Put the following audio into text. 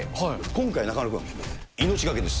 今回、中丸君、命懸けです。